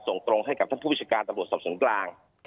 ส่งตรงให้กับท่านผู้วิชาการตรวจส่งกลาง